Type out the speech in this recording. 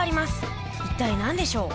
一体何でしょう？